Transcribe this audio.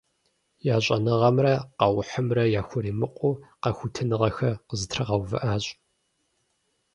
Я щӀэныгъэмрэ къэухьымрэ яхуримыкъуу къэхутэныгъэхэр къызэтрагъэувыӀащ.